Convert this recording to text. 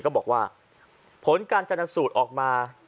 ก็บอกว่าผลการจนสูตรออกมา